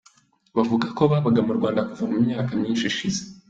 Bavuga ko babaga mu Rwanda kuva mu myaka myinshi ishize.